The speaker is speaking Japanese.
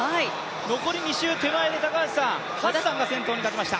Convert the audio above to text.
残り２周手前でハッサンが先頭に立ちました。